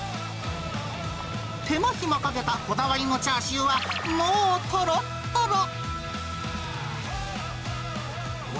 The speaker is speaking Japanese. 手間暇かけたこだわりのチャーシューは、もうとろっとろ。